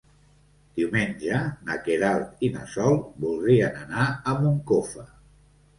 Diumenge na Queralt i na Sol voldrien anar a Moncofa.